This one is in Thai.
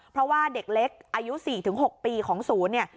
เพราะว่าเด็กเล็กอายุ๔๖ปีของศูนย์เนี่ย